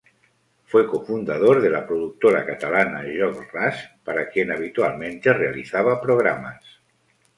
Fue cofundador de la productora catalana Joc-Ras, para quien habitualmente realizaba programas.